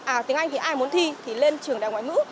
à tiếng anh thì ai muốn thi thì lên trường đài ngoại ngữ